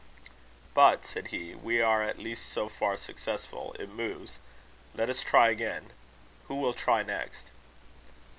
"But," said he, "we are at least so far successful: it moves. Let us try again. Who will try next?"